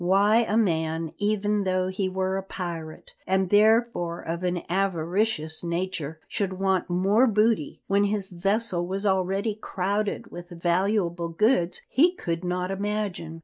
Why a man, even though he were a pirate, and therefore of an avaricious nature, should want more booty, when his vessel was already crowded with valuable goods, he could not imagine.